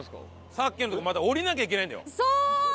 さっきのとこまでまた下りなきゃいけないんだよ。